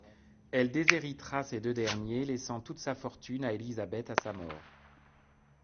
Elle déshéritera ces deux derniers, laissant toute sa fortune à Elisabeth à sa mort.